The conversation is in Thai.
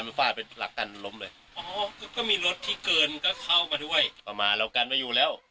เป้าหมาย